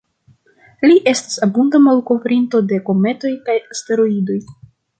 Li estas abunda malkovrinto de kometoj kaj asteroidoj.